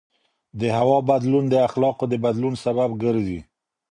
د هوا بدلون د اخلاقو د بدلون سبب ګرځي.